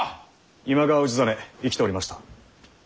今川氏真生きておりました。